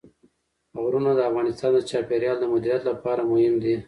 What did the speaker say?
غرونه د افغانستان د چاپیریال د مدیریت لپاره مهم دي.